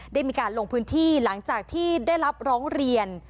ได้มีการลงพื้นที่หลังจากที่ได้รับร้องเรียน